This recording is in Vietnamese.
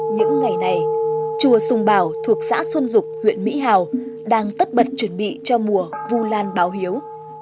những ngày này chùa sùng bảo thuộc xã xuân dục huyện mỹ hào đang tất bật chuẩn bị cho mùa vu lan báo hiếu